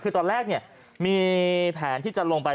คือตอนแรกมีแผนที่จะลงไป